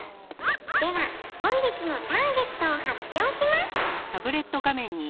「では本日のターゲットを発表します！」